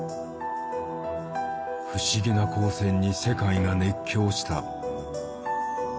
不思議な光線に世界が熱狂した。